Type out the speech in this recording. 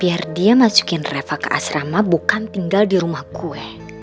biar dia masukin reva ke asrama bukan tinggal di rumah gue